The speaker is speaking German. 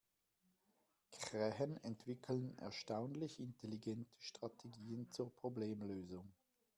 Krähen entwickeln erstaunlich intelligente Strategien zur Problemlösung.